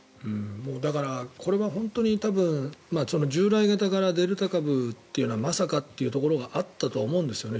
だからこれは本当に従来型からデルタ株というのはまさかというところがあったと思うんですよね。